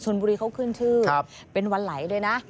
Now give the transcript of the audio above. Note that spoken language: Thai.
ชนบุรีเขาขึ้นชื่อเป็นวันไหลเลยนะ